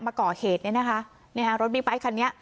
มาก่อเหตุเนี่ยนะคะรถบิ๊กไบท์คันนี้